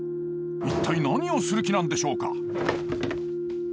一体何をする気なんでしょうか？